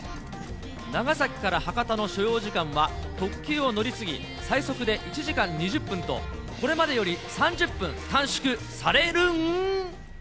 長崎から博多の所要時間は特急を乗り継ぎ、最速で１時間２０分と、これまでより３０分短縮されるん。